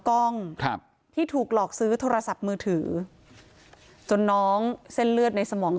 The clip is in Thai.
กล้องครับที่ถูกหลอกซื้อโทรศัพท์มือถือจนน้องเส้นเลือดในสมอง